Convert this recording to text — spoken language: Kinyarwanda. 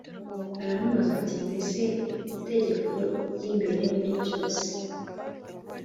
aramubaza ati mbese itegeko ry imbere muri yose